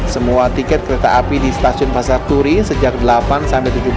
semua tiket kereta api di stasiun pasar turi sejak delapan sampai tujuh belas